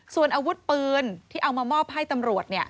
ส่วนอาวุธปืนที่เอามามอบให้ตำรวจ